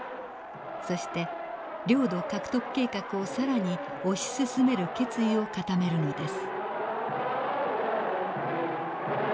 そして領土獲得計画を更に推し進める決意を固めるのです。